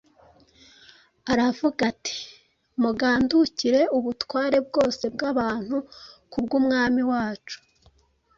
aravuga ati: “mugandukire ubutware bwose bw’abantu kubw’umwami wacu: